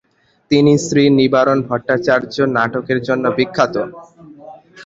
তিনি শ্রী নিবারণ ভট্টাচার্য নাটকের জন্য বিখ্যাত।